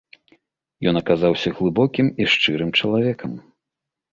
Ён аказаўся глыбокім і шчырым чалавекам.